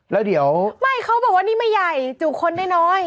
เขาบอกว่าแบบนี้ไม่ใหญ่จูบคนได้น้อย